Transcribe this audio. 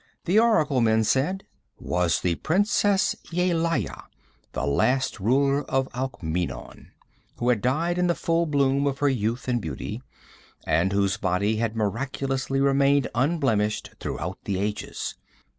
The oracle, men said, was the Princess Yelaya, the last ruler of Alkmeenon, who had died in the full bloom of her youth and beauty, and whose body had miraculously remained unblemished throughout the ages.